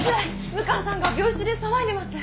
六川さんが病室で騒いでます！